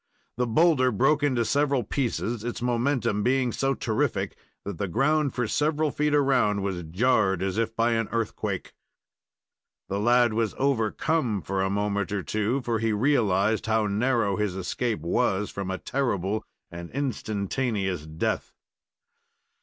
The boulder broke into several pieces, its momentum being so terrific that the ground for several feet around was jarred as if by an earthquake. The lad was overcome for a moment or two, for he realized how narrow his escape was from a terrible and instantaneous death.